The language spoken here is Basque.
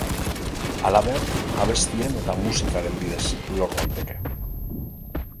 Halaber, abestien eta musikaren bidez lor daiteke.